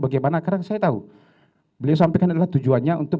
bagaimana karena saya tahu beliau sampaikan adalah tujuannya untuk